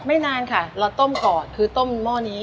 นานค่ะเราต้มก่อนคือต้มหม้อนี้